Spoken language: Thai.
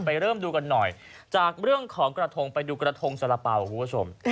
เริ่มดูกันหน่อยจากเรื่องของกระทงไปดูกระทงสาระเป๋าคุณผู้ชม